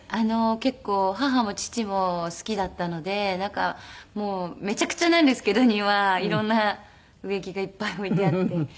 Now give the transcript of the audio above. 結構母も父も好きだったのでもうめちゃくちゃなんですけど庭色んな植木がいっぱい置いてあって。